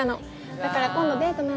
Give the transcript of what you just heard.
だから今度デートなんだ。